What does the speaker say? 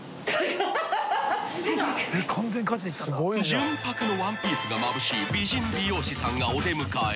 ［純白のワンピースがまぶしい美人美容師さんがお出迎え］